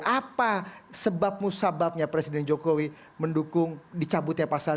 apa sebab musababnya presiden jokowi mendukung dicabutnya pasal